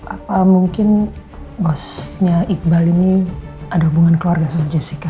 apa mungkin bosnya iqbal ini ada hubungan keluarga sama jessica